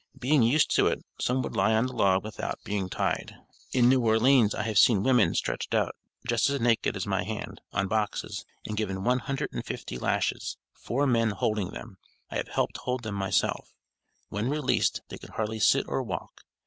Being used to it, some would lie on the log without being tied. In New Orleans, I have seen women stretched out just as naked as my hand, on boxes, and given one hundred and fifty lashes, four men holding them. I have helped hold them myself: when released they could hardly sit or walk.